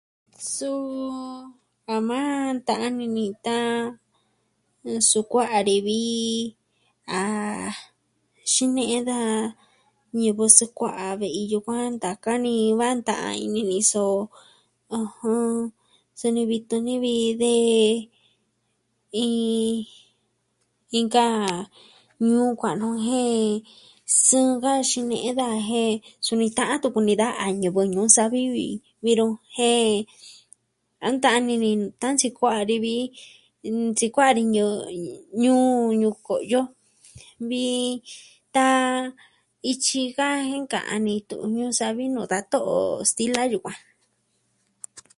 Suu a... na ta'an ini ni tan, nsukua'a ni vi a... xine'e daa ñivɨ sikua'a ve'i yukuan ntaka ni da nta'an ini i so... ɨjɨn... jini vii tuni vi de... iin... inka... ñuu kua'an nu jen sɨɨn ka xine'e daa jen suni ta'an ntu kumi da a ñivɨ Ñuu Savi vi nu jen... a nta'an ini ni tun nsikua'a ni vi, sikua'a ni ñɨɨ, nuu Ñuu Ko'yo. Vi tan ityi ka jen nka'an ni Tu'un Ñuu savi nuu da to'o stilia yukuan.